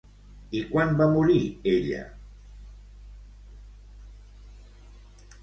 I quan va morir ella?